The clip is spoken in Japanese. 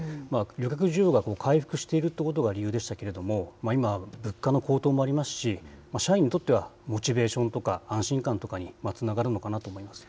旅客需要が回復しているということが理由でしたけれども、今、物価の高騰もありますし、社員にとっては、モチベーションとか安心感とかにつながるのかなと思います。